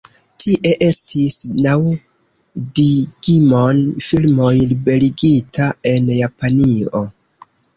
Tie estis naŭ Digimon filmoj liberigita en Japanio.